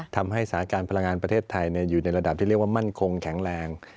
ทำให้สถานการณ์พลังงานประเทศไทยอยู่ในระดับที่เรียกว่ามั่นคงแข็งแรง